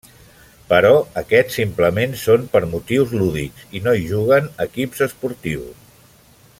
Però, aquests simplement són per motius lúdics i no hi juguen equips esportius.